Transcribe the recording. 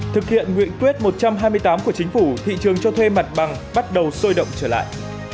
thực hiện nguyện quyết một trăm hai mươi tám của chính phủ thị trường cho thuê mặt bằng bắt đầu sôi động trở lại